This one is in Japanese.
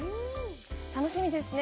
楽しみですね！